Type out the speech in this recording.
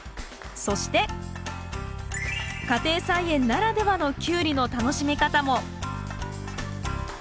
そして家庭菜園ならではのキュウリの楽しみ方も。